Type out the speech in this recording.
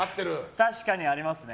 確かにありますね。